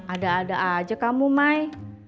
ada ada aja kamu mai